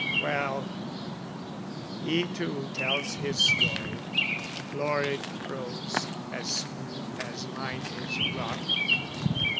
Well, he too tells his story, florid prose As smooth as mine is rough.